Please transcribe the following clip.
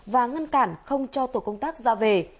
và ngăn cản không cho tổ công tác ra về